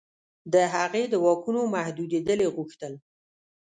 د هغې د واکونو محدودېدل یې غوښتل.